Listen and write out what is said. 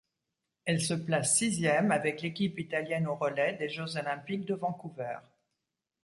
Elle se place sixième avec l'équipe italienne au relais des Jeux olympiques de Vancouver.